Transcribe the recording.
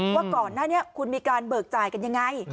ว่าก่อนหน้านี้คุณมีการเบิกจ่ายกันยังไง